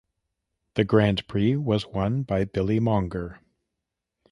The Grand Prix was won by Billy Monger.